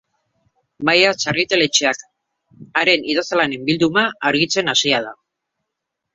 Maiatz argitaletxeak haren idazlanen bilduma argitzen hasia da.